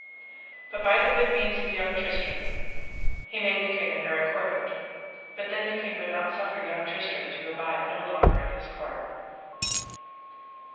But by the good means of young Tristram he made the king and her accorded. But then the king would not suffer young Tristram to abide no longer in his court.